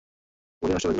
মুডই নষ্ট করে দিলে।